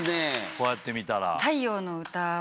こうやってみたら。